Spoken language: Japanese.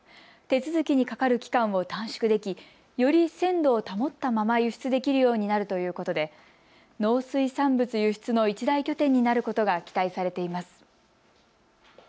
手続きにかかる期間を短縮でき、より鮮度を保ったまま輸出できるようになるということで農水産物輸出の一大拠点になることが期待されています。